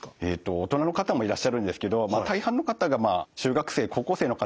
大人の方もいらっしゃるんですけど大半の方が中学生高校生の方。